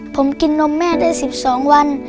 ผมกินนมแม่ได้๑๒วัน